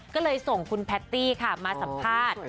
ก็เลยส่งคุณแพตตี้ค่ะมาสัมภาษณ์